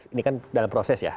ini kan dalam proses ya